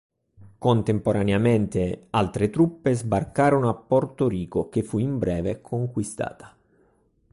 Contemporaneamente altre truppe sbarcarono a Porto Rico, che fu in breve conquistata.